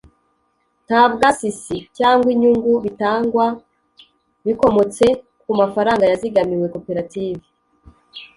nta bwasisi cyangwa inyungu bitangwa bikomotse ku mafaranga yazigamiwe koperative